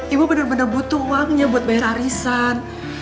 ibu benar benar butuh uangnya buat bayar arisan